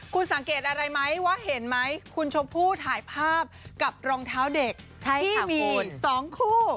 คุณสังเกตอะไรไหมว่าเห็นไหมคุณชมพู่ถ่ายภาพกับรองเท้าเด็กที่มี๒คู่